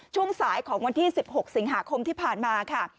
ช่วงสายของวันที่๑๖สิงหาคมที่ผ่านมาค่ะ